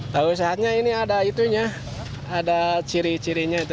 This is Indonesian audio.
tahu sehatnya ini ada itunya ada ciri cirinya itu